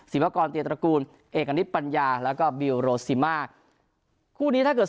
วากรเตียตระกูลเอกณิตปัญญาแล้วก็บิลโรซิมาคู่นี้ถ้าเกิด